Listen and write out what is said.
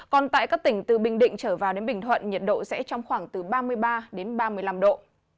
còn tại các tỉnh từ bình định trở vào đến bình thuận nhiệt độ sẽ trong khoảng từ ba mươi ba đến ba mươi năm độ